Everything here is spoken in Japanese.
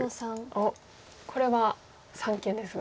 おっこれは三間ですが。